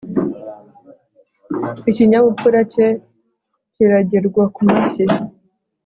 Ikinyabupfura cye kiragerwa ku mashyi